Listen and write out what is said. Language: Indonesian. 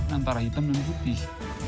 antara hitam dan putih